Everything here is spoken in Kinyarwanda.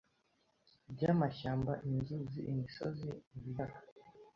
byamashyamba inzuzi imisozi ibiyaga